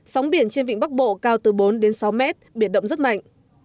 sóng biển trên vịnh bắc bộ cao từ bốn đến sáu mét biển động rất mạnh